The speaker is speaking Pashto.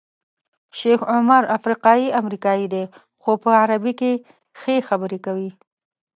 شیخ عمر افریقایی امریکایی دی خو په عربي کې ښې خبرې کوي.